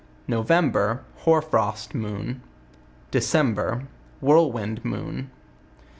November % Hoar frost moon. December Whirlwind moon.